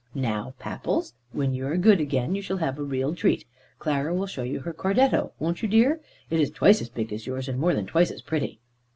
"Now, Papples, when you are good again, you shall have a real treat. Clara will show you her cordetto, won't you, dear? It is twice as big as yours, and more than twice as pretty."